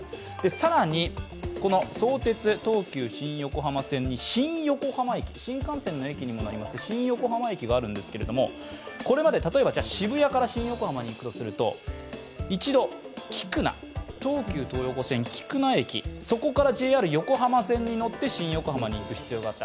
更に、相鉄東急新横浜線に新横浜駅、新幹線の駅にもなります新横浜駅がありますが、これまで例えば渋谷から新横浜に行くとすると一度東急東横線、菊名駅そこからＪＲ横浜線に乗って新横浜に行く必要があった。